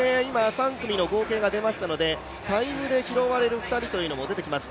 ３組の合計が出ましたので、タイムで拾われる２人も出てきます。